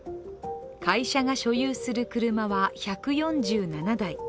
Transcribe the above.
会社が所有する車は１４７台。